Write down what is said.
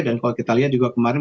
dan kalau kita lihat juga kemarin